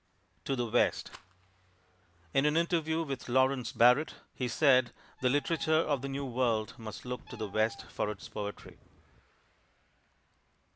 TO THE WEST. [In an interview with Lawrence Barrett, he said: "The literature of the New World must look to the West for its poetry."